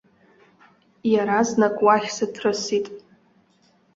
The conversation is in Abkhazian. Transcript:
Иаразнак уахь сыҭрысит!